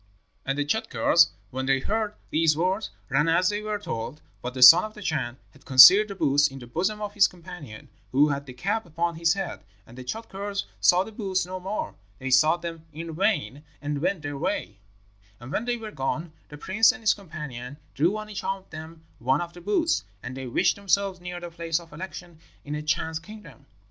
"And the Tschadkurrs, when they heard these words, ran as they were told; but the son of the Chan had concealed the boots in the bosom of his companion, who had the cap upon his head. And the Tschadkurrs saw the boots no more; they sought them in vain, and went their way. "And when they were gone, the prince and his companion drew on each of them one of the boots, and they wished themselves near the place of election in a Chan's kingdom.